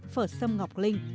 phở ngọc linh